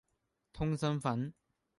通心粉